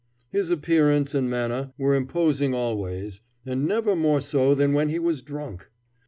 His appearance and manner were imposing always, and never more so than when he was drunk.